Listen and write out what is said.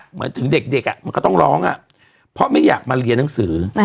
เหมือนถึงเด็กมันก็ต้องร้องเพราะไม่อยากมาเรียนหนังสือ